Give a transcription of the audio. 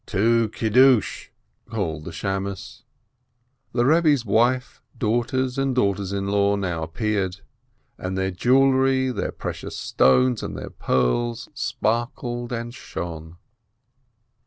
"To Kiddush !" called the beadle. The Eebbe's wife, daughters, and daughters in law now appeared, and their jewelry, their precious stones, and their pearls, sparkled and shone.